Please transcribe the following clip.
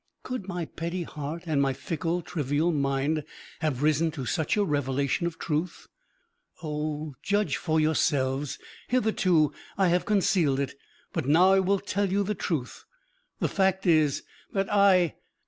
Could my petty heart and my fickle, trivial mind have risen to such a revelation of truth? Oh, judge for yourselves: hitherto I have concealed it, but now I will tell the truth. The fact is that I